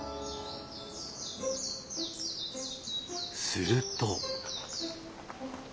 すると。